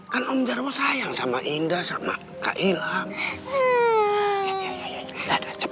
kan om jaro sayang sama indah sama kak ilham